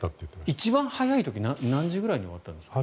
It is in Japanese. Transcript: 一番早い時は何時くらいに終わってたんですか。